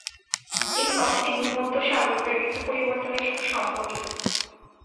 এই কথাটি ভূমধ্যসাগরীয় ঋতু পরিবর্তনের সাথে সম্পর্কিত।